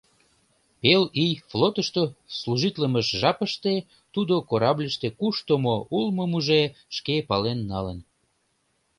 Пел ий флотышто служитлымыж жапыште тудо корабльыште кушто мо улмым уже шке пален налын.